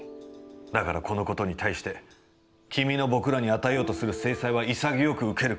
だから、この事に対して、君の僕らに与えようとする制裁は潔く受ける覚悟だ」。